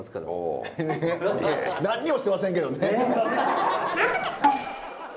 何にもしてませんけどね。